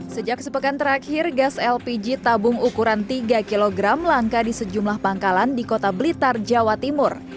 sejak sepekan terakhir gas lpg tabung ukuran tiga kg langka di sejumlah pangkalan di kota blitar jawa timur